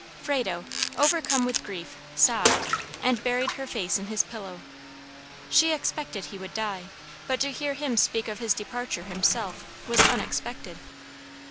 Frado, overcome with grief, sobbed, and buried her face in his pillow. She expected he would die; but to hear him speak of his departure himself was unexpected.